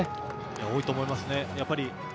多いと思いますね。